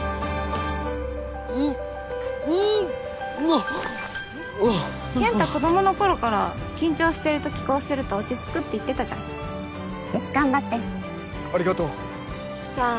むっうんはっ！健太子供の頃から緊張してるときこうすると落ち着くって言ってたじゃん頑張ってありがとうじゃあ